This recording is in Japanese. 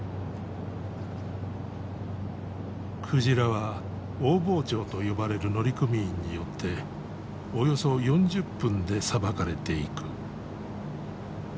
鯨は大包丁と呼ばれる乗組員によっておよそ４０分でさばかれていく。